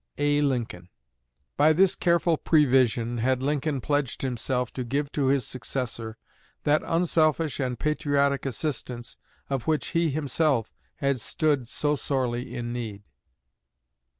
A. LINCOLN. By this careful prevision had Lincoln pledged himself to give to his successor that unselfish and patriotic assistance of which he himself had stood so sorely in need.